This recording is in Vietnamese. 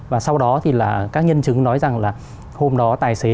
và sau đó thì là các nhân chứng nói rằng là hôm đó tài xế